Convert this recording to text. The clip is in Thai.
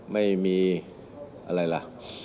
ไม่มีอะไรล่ะ